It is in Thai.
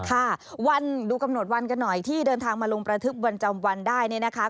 ค่ะวันดูกำหนดวันกันหน่อยที่เดินทางมาลงประทึกวันจำวันได้เนี่ยนะคะ